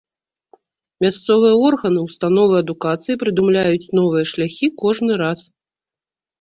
Мясцовыя органы, установы адукацыі прыдумляюць новыя шляхі кожны раз.